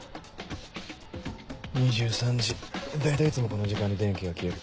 ２３時大体いつもこの時間に電気が消える。